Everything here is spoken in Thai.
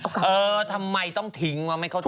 เออทำไมต้องทิ้งวะไม่เข้าใจ